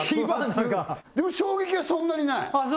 でも衝撃がそんなにないああ